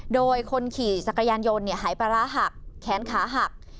โดยคนขี่จักรยานยนต์หายปลาร้าหักแขนขาหัก